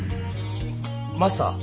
マスター。